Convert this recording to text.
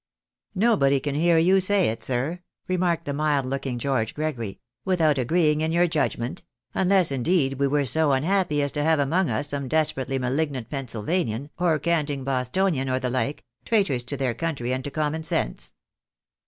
" ISTobody can hear you say it, sir," remarked the mild looking George Gregory, " without agreeing in your judgment ; unless in deed we were so unhappy as to have among us some desperately malignant Pennsylvanian, or canting Bostonian, or the like, trai tors to their country and to common sense.